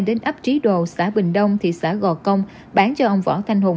đến ấp trí đồ xã bình đông thị xã gò công bán cho ông võ thanh hùng